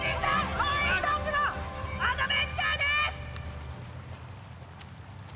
応援ソングのアドベンチャーです。